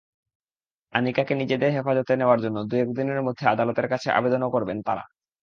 আনিকাকে নিজেদের হেফাজতে নেওয়ার জন্য দু-একদিনের মধ্যে আদালতের কাছে আবেদনও করবেন তাঁরা।